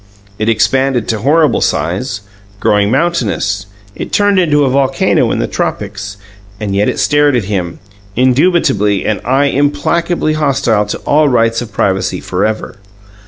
It expanded to horrible size, growing mountainous; it turned into a volcano in the tropics, and yet it stared at him, indubitably an Eye implacably hostile to all rights of privacy forever.